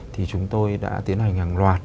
thì chúng tôi đã tiến hành hàng loạt